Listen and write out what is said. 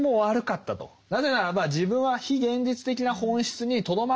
なぜならば自分は非現実的な本質にとどまっていた。